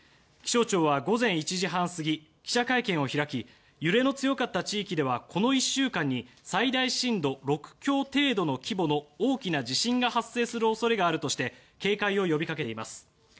気象庁は午前１時半過ぎ記者会見を開き揺れの強かった地域ではこの１週間に最大震度６強程度の規模の大きな地震が発生する恐れがあるとして警戒を呼びかけています。